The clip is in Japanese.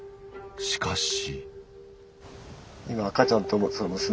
しかし。